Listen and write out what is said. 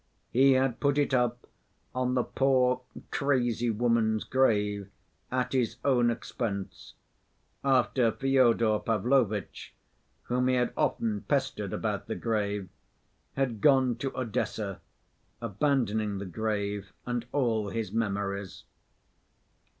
He had put it up on the poor "crazy woman's" grave at his own expense, after Fyodor Pavlovitch, whom he had often pestered about the grave, had gone to Odessa, abandoning the grave and all his memories.